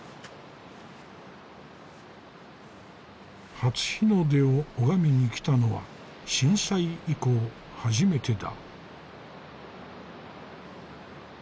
初日の出を拝みに来たのは震災以降初めてだ。